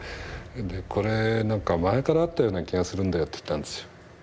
これなんか前からあったような気がするんだよって言ったんですよ。